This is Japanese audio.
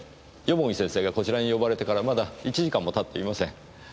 蓬城先生がこちらに呼ばれてからまだ１時間も経っていません。